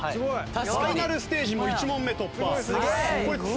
ファイナルステージも１問目突破。